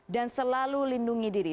dan selalu lindungi diri